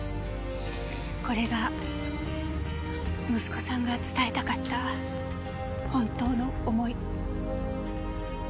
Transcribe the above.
これが息子さんが伝えたかった本当の思い。